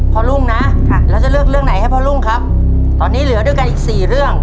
ลุงนะแล้วจะเลือกเรื่องไหนให้พ่อรุ่งครับตอนนี้เหลือด้วยกันอีกสี่เรื่อง